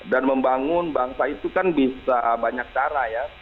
dan membangun bangsa itu kan bisa banyak cara ya